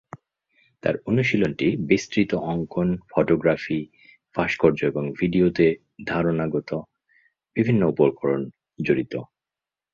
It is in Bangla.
তার অনুশীলনটি বিস্তৃত অঙ্কন, ফটোগ্রাফি, ভাস্কর্য এবং ভিডিওতে ধারণাগত বিভিন্ন উপকরণ জড়িত।